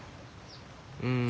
うん。